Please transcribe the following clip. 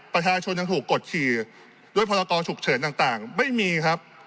ประชาชนยังถูกกดขี่ด้วยพรกรฉุกเฉินต่างไม่มีครับ